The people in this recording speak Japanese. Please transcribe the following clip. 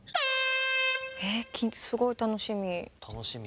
えっすごい楽しみ。